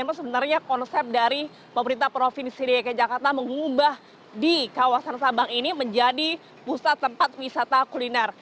kita agak melihat bagaimana sebenarnya konsep dari pemerintah provinsi di jakarta mengubah di kawasan sabang ini menjadi pusat tempat wisata kuliner